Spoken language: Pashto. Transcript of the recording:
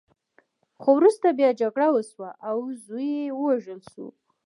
خو وروسته بیا جګړه وشوه او زوی یې ووژل شو.